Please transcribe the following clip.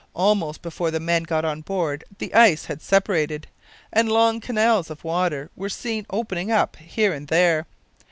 Almost before the men got on board the ice had separated, and long canals of water were seen opening up here and there.